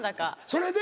それで？